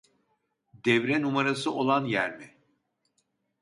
Devre numarası olan yer mi ?